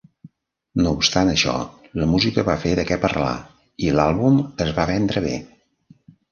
No obstant això, la música va fer de què parlar i l'àlbum es va vendre bé.